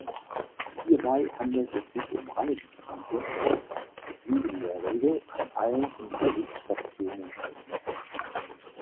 Hierbei handelt es sich um Reisezüge, die in der Regel an allen Unterwegsstationen halten.